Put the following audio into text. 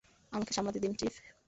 আমাকে সামলাতে দিন, চিফ।